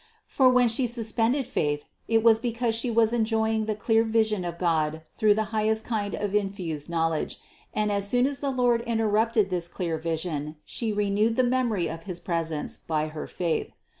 For when She suspended faith, it was because She was enjoying the clear vision of God through the highest kind of infused knowledge, and as soon as the Lord interrupted this clear vision, She re newed the memory of his presence by her faith.